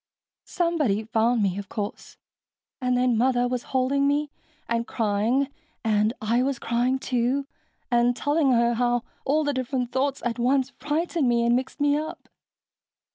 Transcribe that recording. "Somebody found me, of course. And then Mother was holding me and crying and I was crying, too, and telling her how all the different thought at once frightened me and mixed me up.